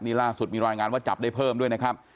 นี่ล่าสุดมีรายงานว่าจับได้เพิ่มด้วยนะครับ